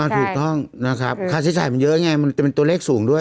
ถูกต้องนะครับค่าใช้จ่ายมันเยอะไงมันจะเป็นตัวเลขสูงด้วย